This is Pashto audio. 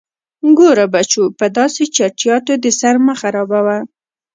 _ګوره بچو، په داسې چټياټو دې سر مه خرابوه.